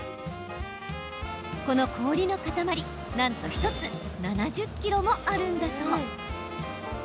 この氷の塊、なんと１つ７０ｋｇもあるんだそう。